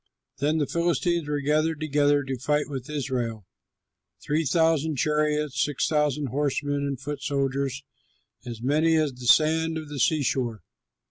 Then the Philistines were gathered together to fight with Israel: three thousand chariots, six thousand horsemen, and foot soldiers as many as the sand of the seashore.